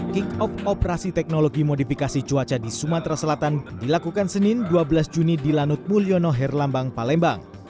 kick off operasi teknologi modifikasi cuaca di sumatera selatan dilakukan senin dua belas juni di lanut mulyono herlambang palembang